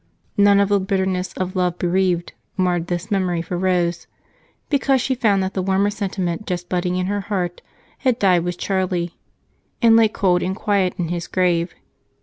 None of the bitterness of love bereaved marred this memory for Rose, because she found that the warmer sentiment, just budding in her heart, had died with Charlie and lay cold and quiet in his grave.